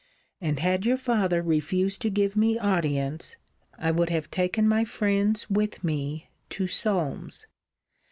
And had your father refused to give me audience, I would have taken my friends with me to Solmes.